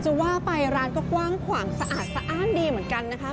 จะว่าไปร้านก็กว้างขวางสะอาดสะอ้านดีเหมือนกันนะคะ